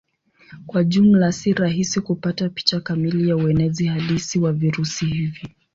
Kwa jumla si rahisi kupata picha kamili ya uenezi halisi wa virusi hivi.